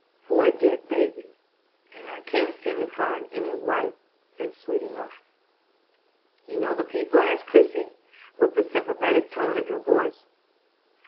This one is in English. "For a dead baby; and I can't seem to find any white and sweet enough." "You know the people?" asked Christie, with the sympathetic tone in her voice.